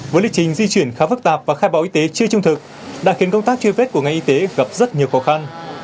với lịch trình di chuyển khá phức tạp và khai báo y tế chưa trung thực đã khiến công tác truy vết của ngành y tế gặp rất nhiều khó khăn